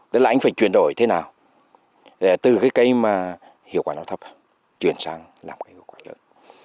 tức là anh phải chuyển đổi thế nào để từ cái cây mà hiệu quả nó thấp hơn chuyển sang làm cái hiệu quả lớn